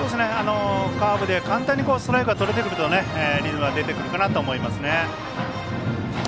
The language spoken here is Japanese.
カーブで簡単にストライクがとれてくるとリズムが出てくるかなとは思いますね。